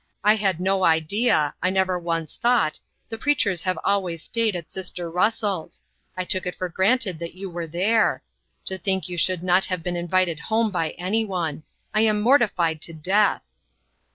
I had no idea I never once thought the preachers have always stayed at sister Russell's I took it for granted that you were there. To think you should not have been invited home by any one! I am mortified to death."